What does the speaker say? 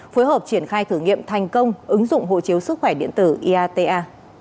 phối hợp triển khai thử nghiệm thành công ứng dụng hộ chiếu sức khỏe điện tử iata